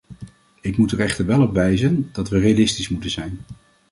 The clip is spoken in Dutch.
Ik moet er echter wel op wijzen dat we realistisch moeten zijn.